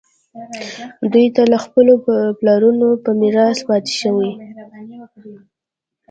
دوی ته له خپلو پلرونو په میراث پاتې شوي.